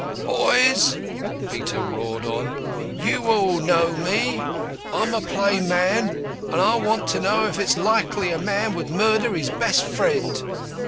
"Boys!" Peter roared on, "you all know me. I'm a plain man, and I want to know if it's likely a man would murder his best friend."